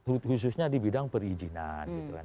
khususnya di bidang perizinan gitu kan